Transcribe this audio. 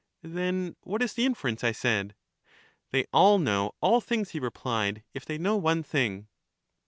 Then what is the inference? I said. They all know all things, he replied, if they know one thing.